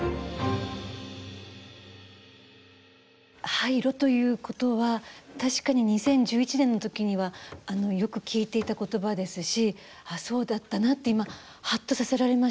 廃炉ということは確かに２０１１年の時にはよく聞いていた言葉ですしああ、そうだったなって今ハッとさせられました。